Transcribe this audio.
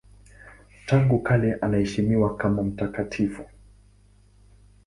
Tangu kale anaheshimiwa kama mtakatifu.